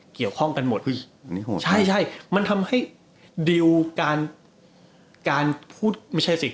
เกี่ยวข้องกันหมดใช่ใช่มันทำให้ดิวการพูดไม่ใช่สิ